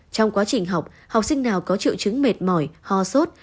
trong quá trình học học sinh nào có triệu chứng mệt mỏi ho sốt